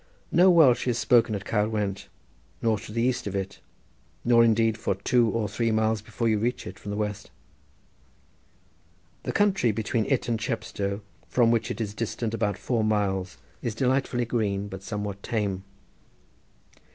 No Welsh is spoken at Caer Went, nor to the east of it, nor indeed for two or three miles before you reach it from the west. The country between it and Chepstow, from which it is distant about four miles, is delightfully green, but somewhat tame.